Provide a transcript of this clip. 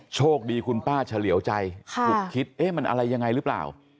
โชคดีคุณป้าเฉลี่ยวใจถูกคิดเอ๊ะมันอะไรยังไงหรือเปล่า